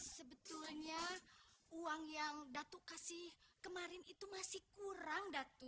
sebetulnya uang yang datu kasih kemarin itu masih kurang datu